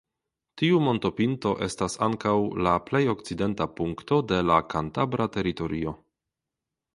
Tiu montopinto estas ankaŭ la plej okcidenta punkto de la kantabra teritorio.